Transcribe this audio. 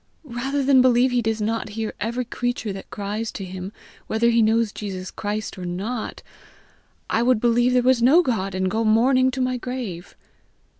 Rather than believe he does not hear every creature that cries to him, whether he knows Jesus Christ or not, I would believe there was no God, and go mourning to my grave."